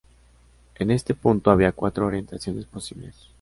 En este punto, había cuatro orientaciones posibles.